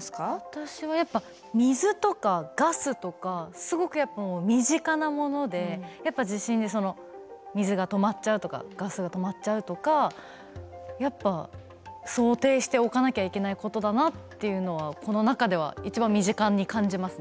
私はやっぱ水とかガスとかすごくやっぱ身近なものでやっぱ地震で水が止まっちゃうとかガスが止まっちゃうとかやっぱ想定しておかなきゃいけないことだなっていうのはこの中では一番身近に感じますね。